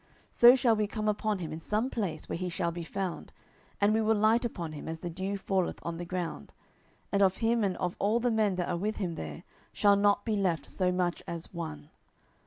10:017:012 So shall we come upon him in some place where he shall be found, and we will light upon him as the dew falleth on the ground: and of him and of all the men that are with him there shall not be left so much as one.